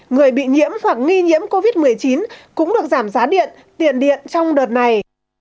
người bị nhiễm hoặc nghi nhiễm covid một mươi chín cũng được giảm giá điện tiền điện trong đợt này